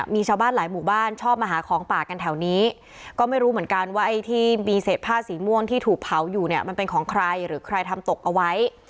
มีชาวบ้านหลายหมู่บ้านชอบมาหาของป่ากันแถวนี้ก็ไม่รู้เหมือนกันว่าไอ้ที่มีเศษผ้าสีม่วงที่ถูกเผาอยู่เนี่ยมันเป็นของใครหรือใครทำตกเอาไว้